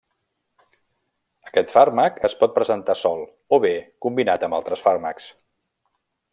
Aquest fàrmac es pot presentar sol o bé combinat amb altres fàrmacs.